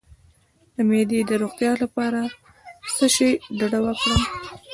د معدې د روغتیا لپاره له څه شي ډډه وکړم؟